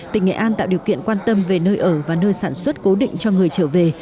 tỉnh nghệ an tạo điều kiện quan tâm về nơi ở và nơi sản xuất cố định cho người trở về